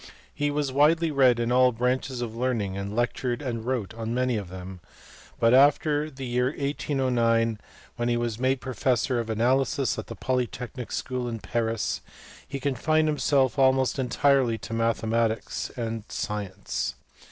He was widely read in all branches of learning, and lectured and wrote on many of them, but after the year 1809, when he was made professor of analysis at the Polytechnic school in Paris, he confined himself almost entirely to mathematics and science.